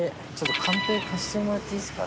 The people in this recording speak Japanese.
カンペ貸してもらっていいですか？